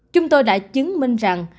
chúng tôi đã chứng minh rằng